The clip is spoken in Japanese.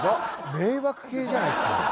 迷惑系じゃないですか。